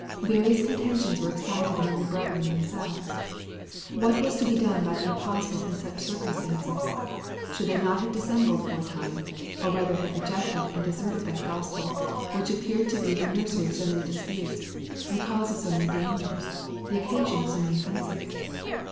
Various contentions were excited among the brethren themselves. What was to be done by the apostles in such circumstances? Should they not have dissembled for a time, or rather have rejected and deserted that Gospel which appeared to be the nursery of so many disputes, the cause of so many dangers, the occasion of so many offences?